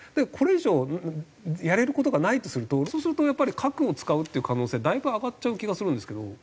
これ以上やれる事がないとするとそうするとやっぱり核を使うっていう可能性だいぶ上がっちゃう気がするんですけど。